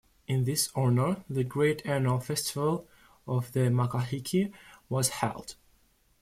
In his honor, the great annual festival of the Makahiki was held.